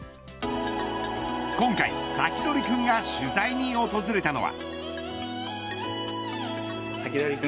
今回、サキドリくんが取材に訪れたのは。